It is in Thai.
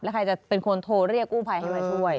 ใครจะเป็นคนโทรเรียกกู้ภัยให้มาช่วย